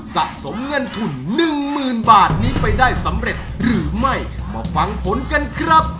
สะสมเงินทุนหนึ่งหมื่นบาทนี้ไปได้สำเร็จหรือไม่มาฟังผลกันครับ